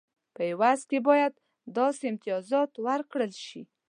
په عوض کې باید داسې امتیازات ورکړل شي.